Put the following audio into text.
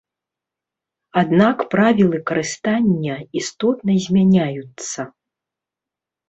Аднак правілы карыстання істотна змяняюцца.